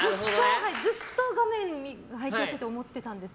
ずっと画面拝見してて思ってたんです。